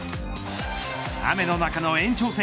雨の中の延長戦。